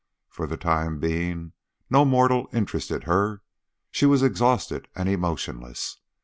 For the time being no mortal interested her, she was exhausted and emotionless.